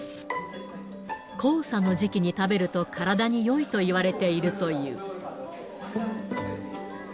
黄砂の時期に食べると、体によいといわれているという。